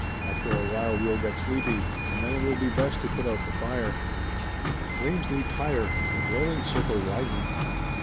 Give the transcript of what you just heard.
After a while we'll get sleepy, and then it will be best to put out the fire." The flames leaped higher and the glowing circle widened.